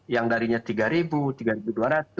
yang darinya rp tiga rp tiga dua ratus